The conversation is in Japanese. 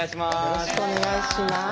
よろしくお願いします。